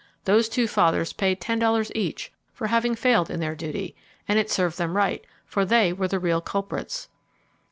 Those two fathers paid $10 each for having failed in their duty; and it served them right; for they were the real culprits.